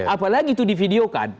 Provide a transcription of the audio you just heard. apalagi itu di video kan